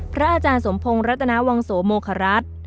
พระอาจารย์สมพงศ์รัตนาวังโสโมครัฐ